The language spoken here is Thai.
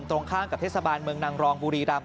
ตรงข้ามกับเทศบาลเมืองนางรองบุรีรำ